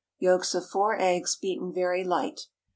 Yolks of four eggs beaten very light.